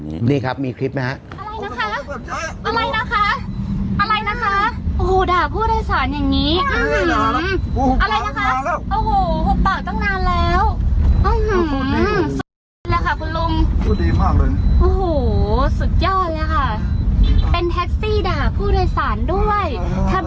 นี่ครับมีคลิปนะครับ